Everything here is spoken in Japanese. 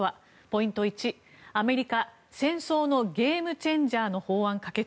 ポイント１、アメリカ戦争のゲームチェンジャーの法案可決。